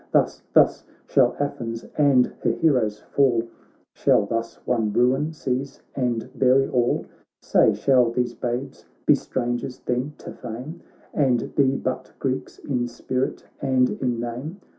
Thus — thus — shall Athens andher heroes fall, Shall thus one ruin seize and bury all 1 Say, shall these babes be^strangers then to fame, And be butGreeks in spirit and in name